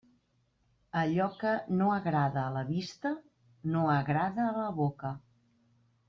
Allò que no agrada a la vista, no agrada a la boca.